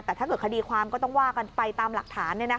แต่ถ้าเกิดคดีความก็ต้องว่ากันไปตามหลักฐาน